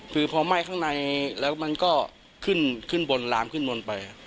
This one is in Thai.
คือพอไหม้ข้างในแล้วมันก็ขึ้นขึ้นบนลามขึ้นบนไป